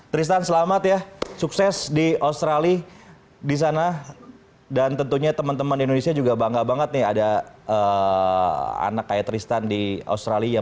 tristan selamat ya sukses di australia di sana dan tentunya teman teman di indonesia juga bangga banget nih ada anak kayak tristan di australia